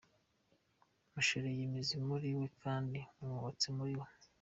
Mushoreye imizi muri we kandi mwubatswe muri we